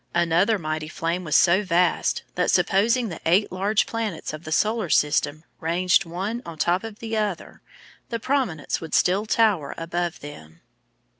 Another mighty flame was so vast that supposing the eight large planets of the solar system ranged one on top of the other, the prominence would still tower above them.